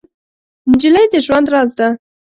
نجلۍ د ژوند راز ده.